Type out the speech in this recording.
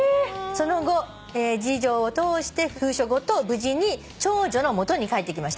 「その後次女を通して封書ごと無事に長女の元に返ってきました」